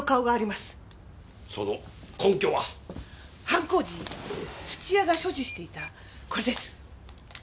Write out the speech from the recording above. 犯行時土屋が所持していたこれです。